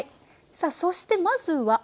さあそしてまずは。